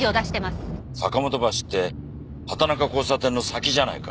坂本橋って畑中交差点の先じゃないか。